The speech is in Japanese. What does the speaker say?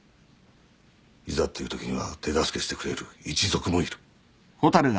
いざっていうときには手助けしてくれる一族もいる。